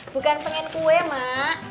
bukan pengen kue mak